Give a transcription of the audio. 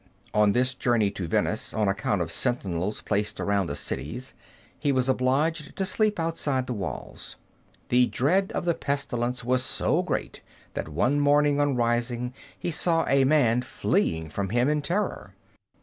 On this journey to Venice, on account of sentinels placed around the cities, he was obliged to sleep outside the walls. The dread of the pestilence was so great that one morning on rising he saw a man fleeing from him in terror.